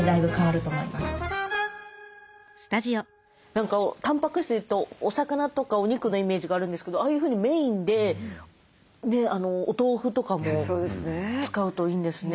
何かたんぱく質というとお魚とかお肉のイメージがあるんですけどああいうふうにメインでお豆腐とかも使うといいんですね。